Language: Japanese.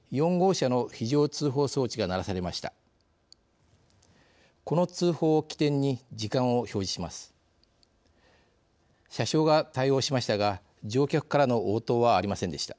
車掌が対応しましたが乗客からの応答はありませんでした。